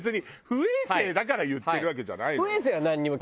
不衛生だから言ってるわけじゃないのよ。